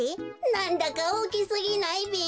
なんだかおおきすぎないべ？